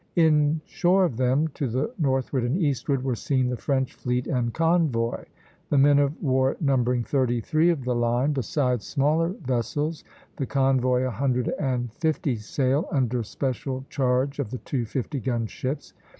In shore of them, to the northward and eastward, were seen the French fleet and convoy: the men of war numbering thirty three of the line, besides smaller vessels; the convoy a hundred and fifty sail, under special charge of the two fifty gun ships.